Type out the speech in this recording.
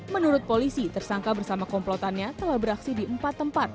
menurut polisi tersangka bersama komplotannya telah beraksi di empat tempat